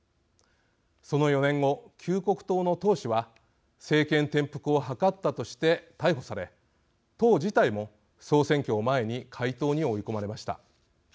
その４年後、救国党の党首は政権転覆をはかったとして逮捕され党自体も、総選挙を前に解党に追い込まれました。